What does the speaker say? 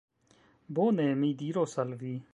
Bone, mi diros al vi.